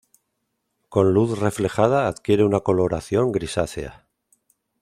Con luz reflejada adquiere una coloración grisácea.